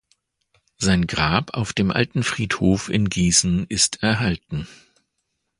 Sein Grab auf dem Alten Friedhof in Gießen ist erhalten.